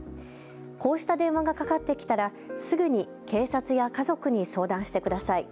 こうした電話がかかってきたらすぐに警察や家族に相談してください。